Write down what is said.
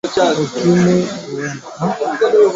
Ukimwi ni magonjwa inayo tokana na ngono